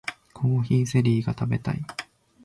コーヒーゼリーが食べたい